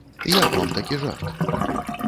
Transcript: Як вам такі жарт?